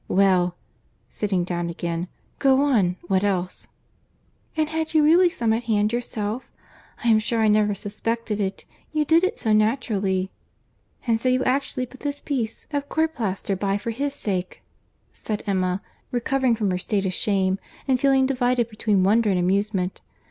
—Well—(sitting down again)—go on—what else?" "And had you really some at hand yourself? I am sure I never suspected it, you did it so naturally." "And so you actually put this piece of court plaister by for his sake!" said Emma, recovering from her state of shame and feeling divided between wonder and amusement.